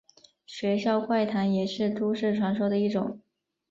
学校怪谈也是都市传说的一种。